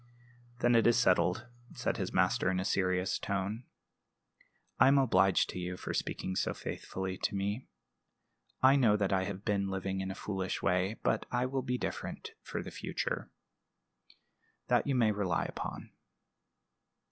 "Then that is settled," said his master, in a serious tone. "I am obliged to you for speaking so faithfully to me. I know that I have been living in a foolish way; but I will be different for the future. That you may rely upon."